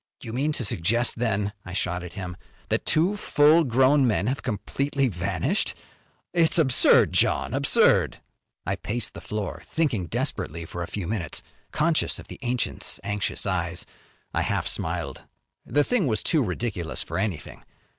"You mean to suggest then," I shot at him, "that two full grown men have completely vanished? It's absurd, John, absurd!" I paced the floor thinking desperately for a few minutes, conscious of the ancient's anxious eyes. I half smiled. The thing was too ridiculous for anything.